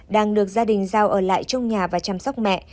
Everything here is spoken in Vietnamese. đang được gia đình giao ở lại trong nhà và chăm sóc mẹ